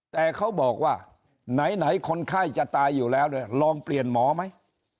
แต่เขาบอกว่าไหนคนไข้จะตายอยู่แล้วเนี่ยลองเปลี่ยนหมอไหม